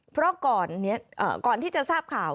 เพราะก่อนที่จะทราบข่าว